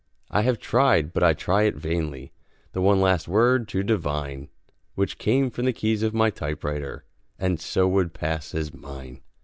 I have tried, but I try it vainly, The one last word to divine Which came from the keys of my typewriter And so would pass as mine.